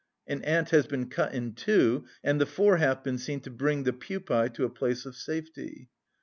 An ant has been cut in two, and the fore half been seen to bring the pupæ to a place of safety.